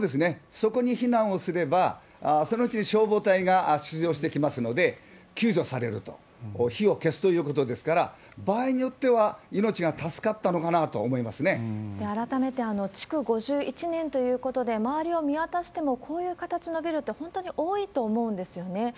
そこに避難をすれば、そのうちに消防隊が出動してきますので、救助されると、火を消すということですから、場合によっては、改めて、築５１年ということで、周りを見渡してもこういう形のビルって本当に多いと思うんですよね。